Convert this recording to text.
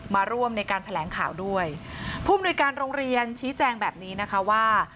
มาร่วมในการแถลงข่าวด้วยผู้มนุยการโรงเรียนชี้แจงแบบนี้นะคะว่า